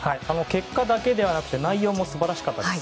結果だけではなくて内容も素晴らしかったです。